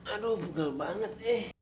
aduh bengkel banget